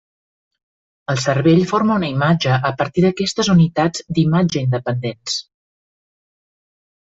El cervell forma una imatge a partir d'aquestes unitats d'imatge independents.